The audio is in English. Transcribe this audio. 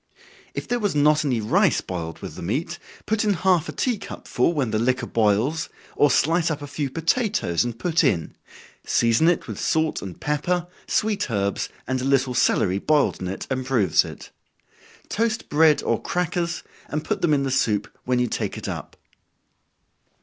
If there was not any rice boiled with the meat, put in half a tea cup full, when the liquor boils, or slice up a few potatoes and put in season it with salt and pepper, sweet herbs, and a little celery boiled in it improves it. Toast bread or crackers, and put them in the soup when you take it up.